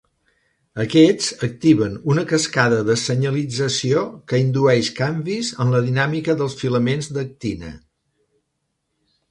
Aquests, activen una cascada de senyalització que indueix canvis en la dinàmica dels filaments d'actina.